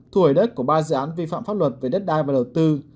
thu hồi đất của ba dự án vi phạm pháp luật về đất đai và đầu tư